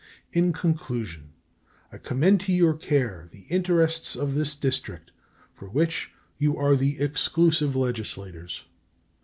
In conclusion I commend to your care the interests of this District, for which you are the exclusive legislators.